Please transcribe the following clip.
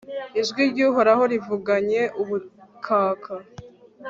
ijwi ry'uhoraho rivuganye ubukaka